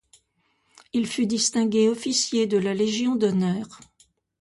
Il fut distingué Officier de la Légion d'Honneur.